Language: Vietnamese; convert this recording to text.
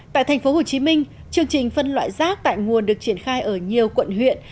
tại tp hcm chương trình phân loại rác tại nguồn được triển khai ở nhiều quận huyện